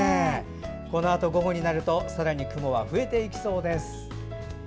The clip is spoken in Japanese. このあと午後になるとさらに雲は増えていきそうです。